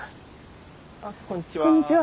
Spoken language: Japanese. あっこんにちは。